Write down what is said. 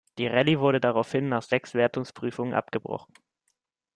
Die Rallye wurde daraufhin nach sechs Wertungsprüfungen abgebrochen.